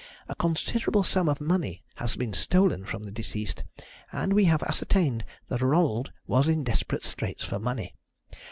A considerable sum of money has been stolen from the deceased, and we have ascertained that Ronald was in desperate straits for money.